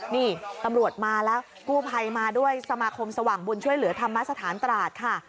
นี่ตำรวจมาแล้วกู้ภัยมาด้วยสมาคมสว่างบุญช่วยเหลือธรรมสถานตราดค่ะ